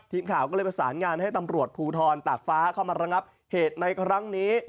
ทีมข่าวก็เลยประสานงานให้ตำรวจภูทรตากฟ้าเข้ามาระงับเหตุในครั้งนี้